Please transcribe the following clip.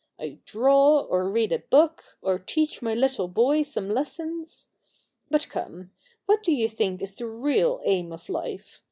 I draw, or read a book, or teach my little boy some lessons. But come — what do you think is the real aim of life